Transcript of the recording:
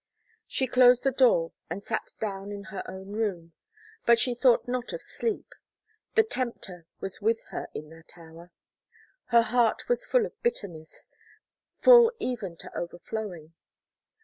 She closed the door, and sat down in her own room; but she thought not of sleep; the tempter was with her in that hour. Her heart was full of bitterness full even to overflowing.